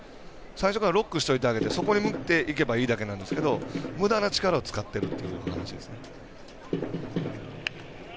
最初からロックしておいてあげてそこに持っていけばいいだけなんですけどむだな力を使ってるという話です。